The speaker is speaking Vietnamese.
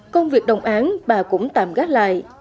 công việc đồng án bà cũng tạm gác lại